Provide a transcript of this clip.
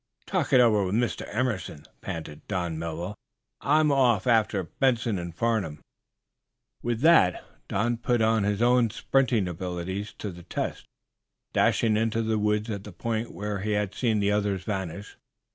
"Talk it over with Mr. Emerson," panted Don Melville. "I'm off after Benson and Farnum." With that Don put his own sprinting abilities to the test, dashing into the woods at the point where he had seen the others vanish.